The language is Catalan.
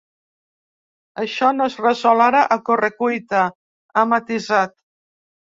“Això no es resol ara, a correcuita”, ha matisat.